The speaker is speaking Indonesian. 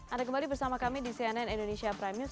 anda kembali bersama kami di cnn indonesia prime news